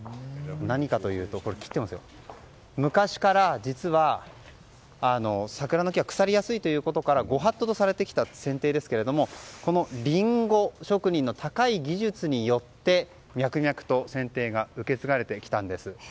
何かというと昔から実は桜の木は腐りやすいということからご法度とされてきたせん定ですがリンゴ職人の高い技術によって脈々とせん定が受け継がれてきたんです。